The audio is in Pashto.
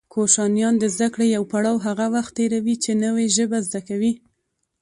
کوشنیان د زده کړې يو پړاو هغه وخت تېروي چې نوې ژبه زده کوي